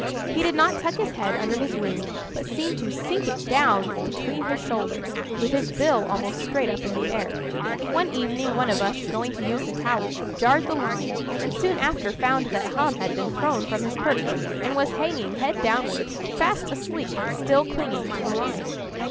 He did not tuck his head under his wing, but seemed to sink it down between his shoulders, with his bill almost straight up in the air. One evening one of us, going to use the towel, jarred the line, and soon after found that Hum had been thrown from his perch, and was hanging head downward, fast asleep, still clinging to the line.